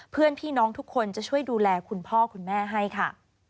เพื่อนพี่น้องทุกคนจะช่วยดูแลคุณพ่อคุณแม่ให้ค่ะ